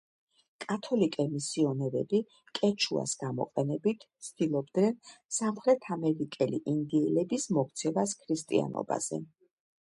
კათოლიკე მისიონერები კეჩუას გამოყენებით ცდილობდნენ სამხრეთ ამერიკელი ინდიელების მოქცევას ქრისტიანობაზე.